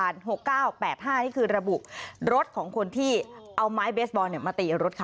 นี่คือระบุรถของคนที่เอาไม้เบสบอลมาตีรถเขา